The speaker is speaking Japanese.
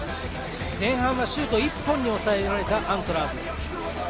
前半がシュート１本に抑えられたアントラーズ。